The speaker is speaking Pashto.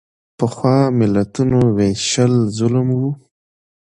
پخوا ملتونو وېشل ظلم و.